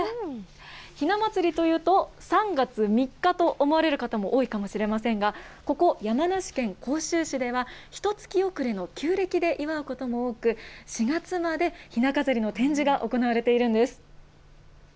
ひな祭りというと、３月３日と思われる方も多いかもしれませんが、ここ、山梨県甲州市では、ひとつき遅れの旧暦で祝うことも多く、４月までひな飾りの展示が行われているんです。